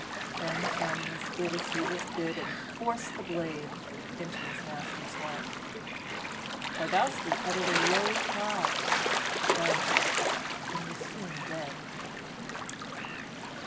Then Famulus did as he was bid and forced the blade into his master's heart. Twardowski uttered a low cry, fell, and was soon dead.